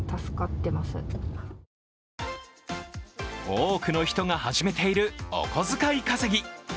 多くの人が始めているお小遣い稼ぎ。